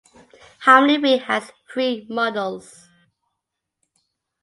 Harmony Wing has three models.